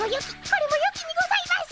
これもよきにございます！